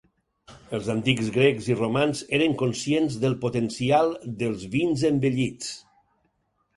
Els antics grecs i romans eren conscients del potencial dels vins envellits.